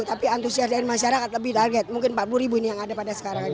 tapi antusias dari masyarakat lebih target mungkin rp empat puluh ini yang ada pada sekarang ini